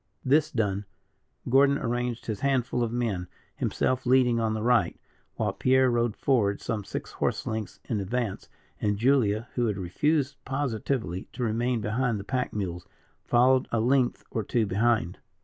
This done, Gordon arranged his handful of men, himself leading on the right, while Pierre rode forward some six horse lengths in advance, and Julia, who had refused positively to remain behind the pack mules, followed a length or two behind.